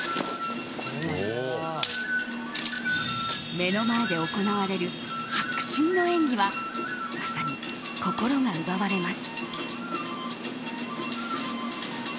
目の前で行われる迫真の演技はまさに心が奪われます。